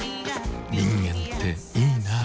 人間っていいナ。